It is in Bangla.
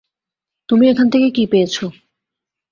তুমি এখান থেকে কি পেয়েছো?